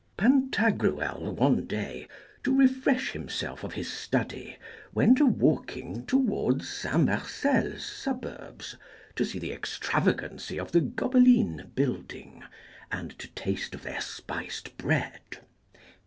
Pantagruel one day, to refresh himself of his study, went a walking towards St. Marcel's suburbs, to see the extravagancy of the Gobeline building, and to taste of their spiced bread.